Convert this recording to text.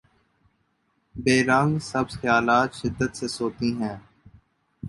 be رنگ سبز خیالات شدت سے سوتی ہیں